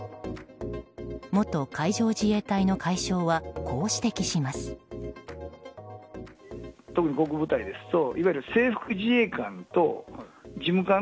元海上自衛隊の海将はこう指摘します。